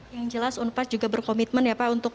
yang jelas unpad juga berkomitmen ya pak